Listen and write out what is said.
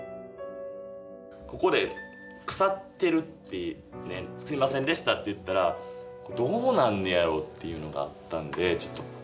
ここで「腐ってる」ってね「すいませんでした」って言ったらどうなんねやろっていうのがあったんでちょっと。